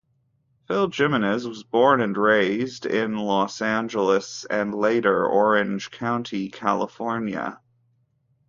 Phil Jimenez was born and raised in Los Angeles and later Orange County, California.